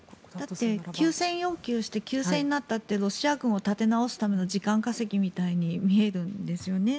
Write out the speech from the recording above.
休戦要求をして休戦になったってロシア軍を立て直すための時間稼ぎみたいに見えるんですよね。